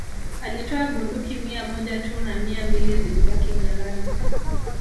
Alitoa bunduki mia moja tu na mia mbili zilibaki ghalani